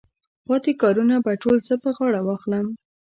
پاتې کارونه به ټول زه پر غاړه واخلم.